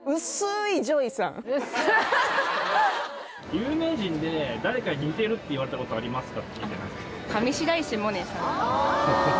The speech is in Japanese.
有名人で誰かに似てるって言われたことありますか？